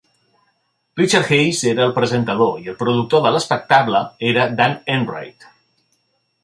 Richard Hayes era el presentador i el productor de l"espectable era Dan Enright.